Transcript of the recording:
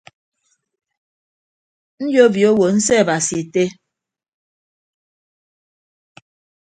Nyobio owo nseabasi ette.